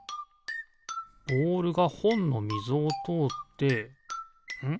ボールがほんのみぞをとおってんっ？